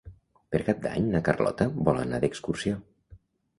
Per Cap d'Any na Carlota vol anar d'excursió.